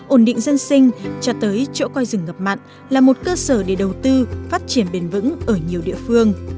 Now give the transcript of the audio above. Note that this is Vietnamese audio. ổn định dân sinh cho tới chỗ coi rừng ngập mặn là một cơ sở để đầu tư phát triển bền vững ở nhiều địa phương